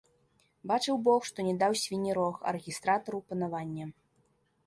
Бачыў бог, што не даў свінні рог, а рэгістратару панавання.